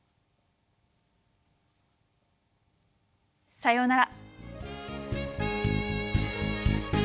さようなら。